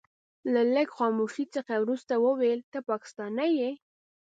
له لږ خاموشۍ څخه وروسته يې وويل ته پاکستانی يې.